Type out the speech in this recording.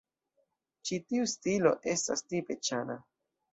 Ĉi tiu stilo estas tipe Ĉan-a.